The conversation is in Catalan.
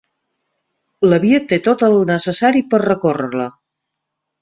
La via té tot el necessari per recórrer-la.